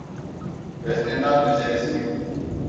Veznedar meselesi mi?